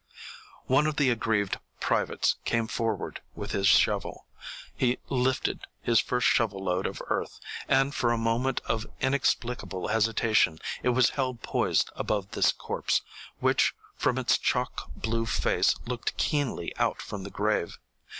One of the aggrieved privates came forward with his shovel. He lifted his first shovel load of earth, and for a moment of inexplicable hesitation it was held poised above this corpse, which from its chalk blue face looked keenly out from the grave.